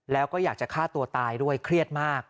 แล้วก็อยากจะฆ่าตัวตายด้วยเครียดมาก